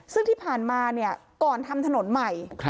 ซึ่งที่ผ่านมาก่อนทำถนนใหม่